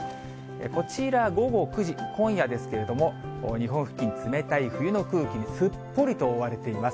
こちら、午後９時、今夜ですけれども、日本付近、冷たい冬の空気にすっぽりと覆われています。